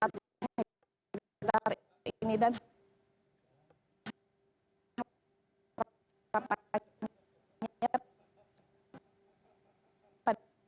dan hanya ada beberapa yang berharga